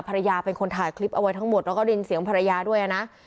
ภรรยาเป็นคนถ่ายคลิปเอาไว้ทั้งหมดแล้วก็ได้ยินเสียงภรรยาด้วยนะ